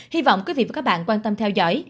hy vọng quý vị và các bạn quan tâm theo dõi